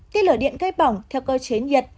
tiên lửa điện gây bỏng theo cơ chế nhiệt